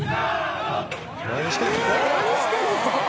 何してるの？